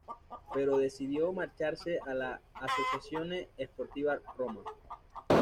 Pero decidió marcharse a la Associazione Sportiva Roma.